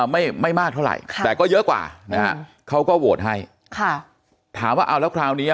ไม่ไม่มากเท่าไหร่ค่ะแต่ก็เยอะกว่านะฮะเขาก็โหวตให้ค่ะถามว่าเอาแล้วคราวนี้